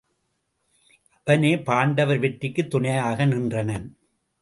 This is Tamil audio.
அவனே பாண்டவர் வெற்றிக்குத் துணையாக நின்றனன்.